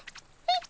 え？